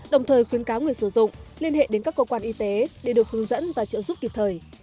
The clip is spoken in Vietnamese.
đồng thời khuyến cáo người sử dụng liên hệ đến các cơ quan y tế để được hướng dẫn và trợ giúp kịp thời